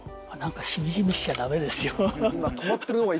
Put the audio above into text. しみじみしちゃ駄目ですよ。